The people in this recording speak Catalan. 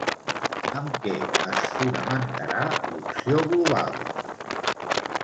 Amb què es fonamentarà l'opció "global"?